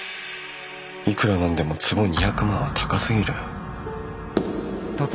いくら何でも坪２００万は高すぎる。